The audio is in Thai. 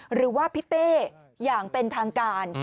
หรือว่าพี่เต้อย่างเป็นทางการ